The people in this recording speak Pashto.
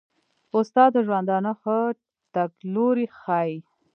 استاد د ژوندانه ښه تګلوری ښيي.